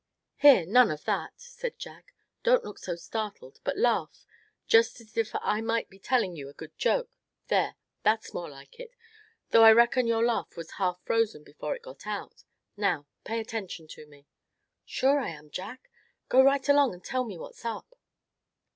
"Here, none of that!" said Jack. "Don't look so startled, but laugh, just as if I might be telling you a good joke. There, that's more like it, though I reckon your laugh was half frozen before it got out. Now, pay attention to me!" "Sure I am, Jack; go right along and tell me what's up."